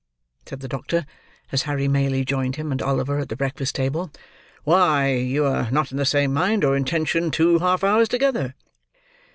said the doctor, as Harry Maylie joined him and Oliver at the breakfast table. "Why, you are not in the same mind or intention two half hours together!"